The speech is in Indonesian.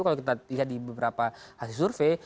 kalau kita lihat di beberapa hasil survei